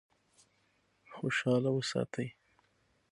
خوشاله وساتي.